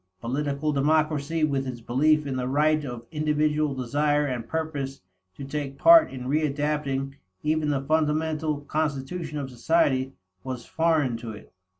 Political democracy, with its belief in the right of individual desire and purpose to take part in readapting even the fundamental constitution of society, was foreign to it.